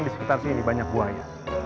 di sekitar sini banyak buaya